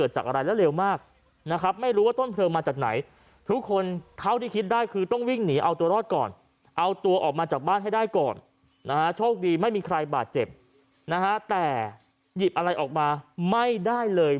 ช่วงที่ไม่มีใครบ่าเจ็บนะแต่หยิบอะไรออกมาไม่ได้เลย